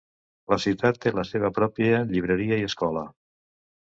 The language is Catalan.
La ciutat té la seva pròpia llibreria i escola.